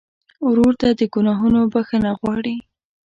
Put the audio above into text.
ورور ته د ګناهونو بخښنه غواړې.